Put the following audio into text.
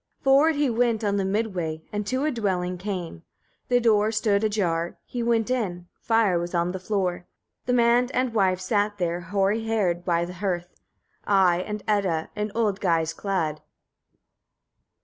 2. Forward he went on the mid way, and to a dwelling came. The door stood ajar, he went in, fire was on the floor. The man and wife sat there, hoary haired, by the hearth, Ai and Edda, in old guise clad.